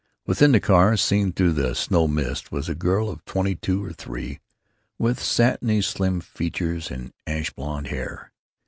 Within the car, seen through the snow mist, was a girl of twenty two or three, with satiny slim features and ash blond hair.